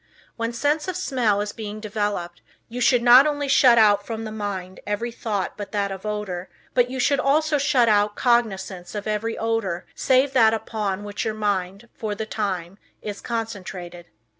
When sense of smell is being developed, you should not only shut out from the mind every thought but that of odor, but you should also shut out cognizance of every odor save that upon which your mind, for the time, is concentrated.